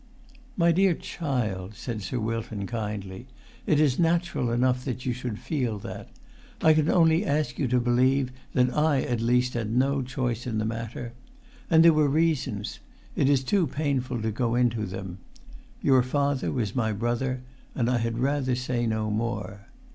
"My dear child," said Sir Wilton, kindly, "it is natural enough that you should feel that. I can only ask you to believe that I at least had no choice in the matter. And there were reasons; it is too painful to go into them; your father was my brother, and I had rather say no more.